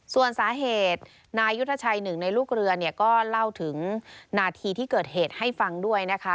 ส่วนสาเหตุนายยุทธชัยหนึ่งในลูกเรือเนี่ยก็เล่าถึงนาทีที่เกิดเหตุให้ฟังด้วยนะคะ